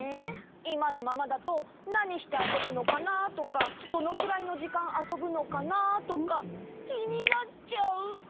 いまのままだとなにしてあそぶのかなとかどのくらいのじかんあそぶのかなとかきになっちゃう。